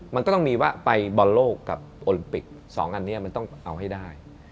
มันก็ต้องมีว่าไปบอลโลกกับโอลิมปิก๒อันนี้มันต้องเอาให้ได้